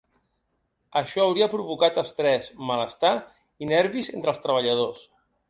Això hauria provocat estrès, malestar i nervis entre els treballadors.